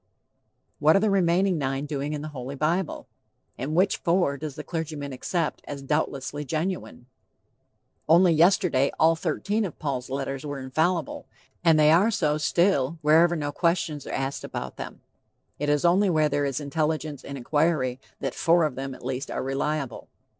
What are the remaining nine doing in the Holy Bible? And which 'four' does the clergyman accept as doubtlessly "genuine?" Only yesterday all thirteen of Paul's letters were infallible, and they are so still wherever no questions are asked about them. It is only where there is intelligence and inquiry that "four of them" at least are reliable.